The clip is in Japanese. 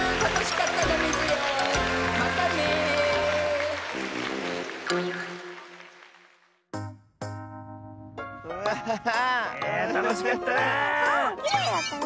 かわもきれいだったね。